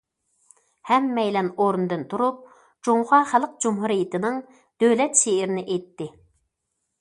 ھەممەيلەن ئورنىدىن تۇرۇپ، جۇڭخۇا خەلق جۇمھۇرىيىتىنىڭ دۆلەت شېئىرىنى ئېيتتى.